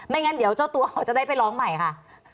งั้นเดี๋ยวเจ้าตัวเขาจะได้ไปร้องใหม่ค่ะ